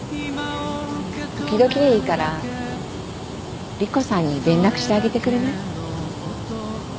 時々でいいから莉湖さんに連絡してあげてくれない？